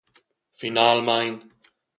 Finalmein!